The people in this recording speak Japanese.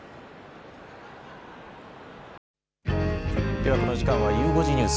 ではこの時間はゆう５時ニュース。